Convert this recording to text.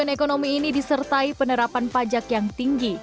apa keuntungannya untuk memimpin uang yang tinggi